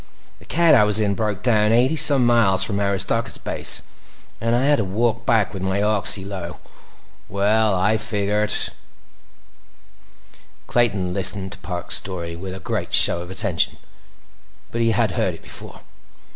The cat I was in broke down eighty some miles from Aristarchus Base and I had to walk back—with my oxy low. Well, I figured—" Clayton listened to Parks' story with a great show of attention, but he had heard it before.